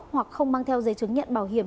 hoặc không mang theo giấy chứng nhận bảo hiểm